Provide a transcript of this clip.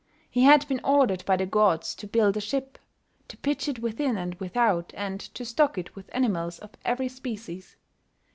He had been ordered by the gods to build a ship, to pitch it within and without, and to stock it with animals of every species.